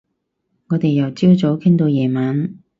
我哋由朝早傾到夜晚